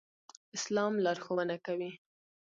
اسلام لارښوونه کوي